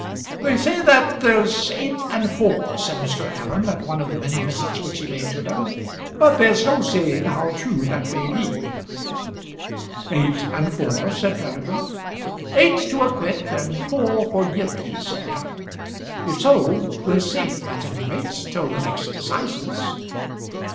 "They say that there's eight and four," said Mr. Aram, at one of the many visits which he made to them; "but there's no saying how true that may be." "Eight and four!" said Peregrine. "Eight to acquit, and four for guilty," said Aram. "If so, we're safe, at any rate, till the next assizes."